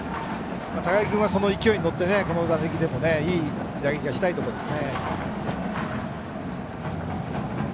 高木君はその勢いに乗っていい打撃をしたいところです。